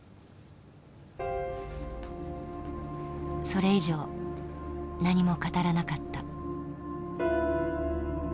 それ以上何も語らなかった。